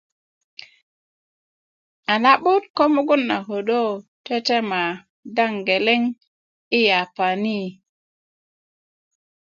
a na'but ko mugun na kodo tetema daŋ geleŋ i yapani